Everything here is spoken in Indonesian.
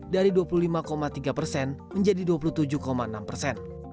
dari dua puluh lima tiga persen menjadi dua puluh tujuh enam persen